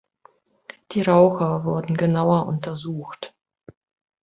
Die Raucher wurden genauer untersucht.